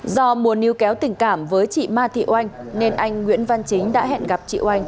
do muốn níu kéo tình cảm với chị ma thị oanh nên anh nguyễn văn chính đã hẹn gặp chị oanh